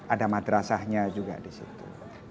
ada madrasahnya juga di situ